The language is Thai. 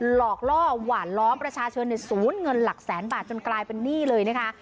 หลอกล่อหวานล้อมประชาชนในศูนย์เงินหลักแสนบาทจนกลายเป็นหนี้เลยนะคะ